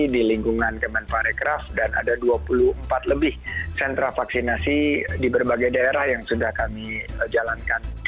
di lingkungan kemenparekraf dan ada dua puluh empat lebih sentra vaksinasi di berbagai daerah yang sudah kami jalankan